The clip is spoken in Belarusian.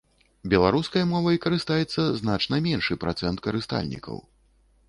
Беларускай мовай карыстаецца значна меншы працэнт карыстальнікаў.